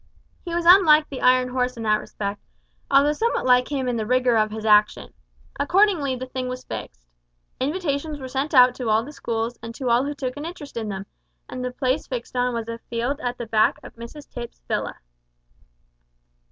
He was unlike the iron horse in that respect, although somewhat like him in the rigour of his action. Accordingly the thing was fixed. Invitations were sent out to all the schools and to all who took an interest in them, and the place fixed on was a field at the back of Mrs Tipps's villa.